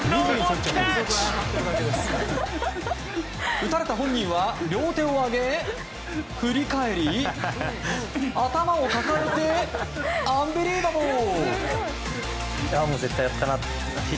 打たれた本人は両手を上げ振り返り、頭を抱えてアンビリーバボー！